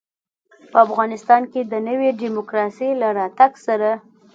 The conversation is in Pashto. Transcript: په افغانستان کې د نوي ډيموکراسۍ له راتګ سره.